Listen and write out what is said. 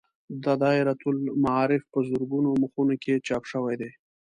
دا دایرة المعارف په زرګونو مخونو کې چاپ شوی دی.